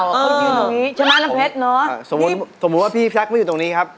เขายืนตรงนี้ใช่ไหมน้ำเพชรเนอะสมมุติสมมุติว่าพี่แซคไม่อยู่ตรงนี้ครับ